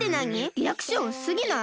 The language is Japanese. リアクションうすすぎない！？